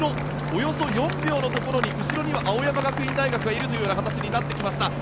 およそ４秒のところに青山学院大学がいる形になってきました。